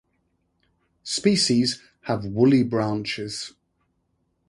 Species have woolly branches.